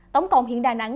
tổng cộng hiện đà nẵng